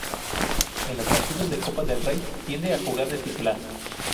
En los partidos de Copa del Rey, tiende a jugar de titular.